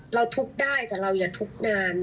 เราทุกข์ได้แต่เราอย่าทุกข์นาน